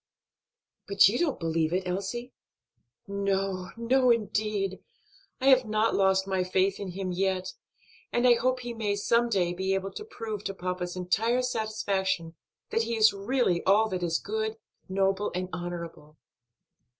"But you don't believe it, Elsie?" "No, no, indeed! I have not lost my faith in him yet, and I hope he may some day be able to prove to papa's entire satisfaction that he is really all that is good, noble, and honorable."